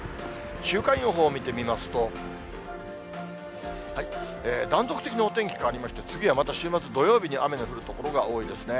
週間予報見てみますと、断続的にお天気変わりまして、次はまた週末土曜日に雨が降る所が多いですね。